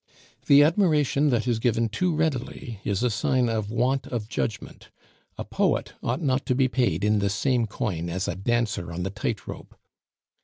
The admiration that is given too readily is a sign of want of judgment; a poet ought not to be paid in the same coin as a dancer on the tight rope.